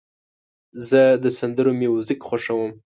زه د سندرو میوزیک خوښوم.